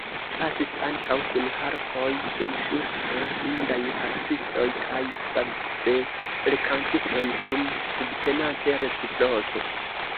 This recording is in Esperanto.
Pasis ankaŭ kun harpoj surŝultre blindaj harpistoj kaj fabelkantistoj, sin subtenante reciproke.